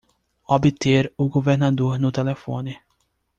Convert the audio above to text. Obter o governador no telefone!